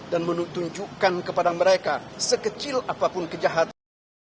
dan menunjukkan kepada mereka sekecil apapun kejahatan